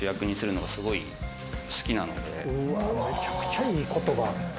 むちゃくちゃいい言葉。